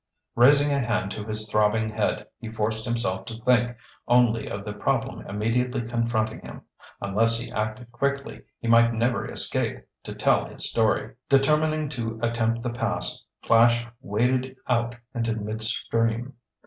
Raising a hand to his throbbing head, he forced himself to think only of the problem immediately confronting him. Unless he acted quickly, he might never escape to tell his story. Determining to attempt the pass, Flash waded out into midstream.